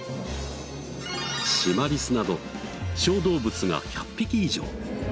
シマリスなど小動物が１００匹以上。